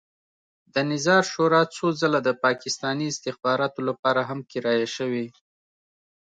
د نظار شورا څو ځله د پاکستاني استخباراتو لپاره هم کرایه شوې.